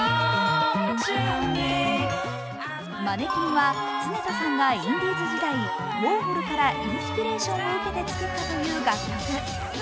「Ｍａｎｎｅｑｕｉｎ」は常田さんがインディーズ時代、ウォーホルからインスピレーションを受けて作ったという楽曲。